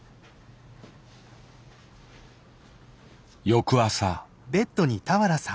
翌朝。